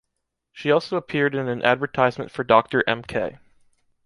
She also appeared in an advertisement for Dr. M. K.